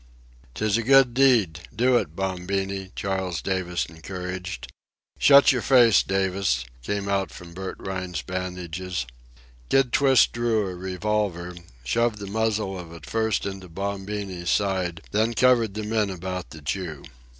"'Tis a good deed—do it, Bombini," Charles Davis encouraged. "Shut your face, Davis!" came out from Bert Rhine's bandages. Kid Twist drew a revolver, shoved the muzzle of it first into Bombini's side, then covered the men about the Jew.